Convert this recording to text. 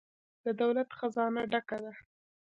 د دولت خزانه ډکه ده؟